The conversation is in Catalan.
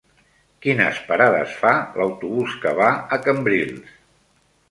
Quines parades fa l'autobús que va a Cambrils?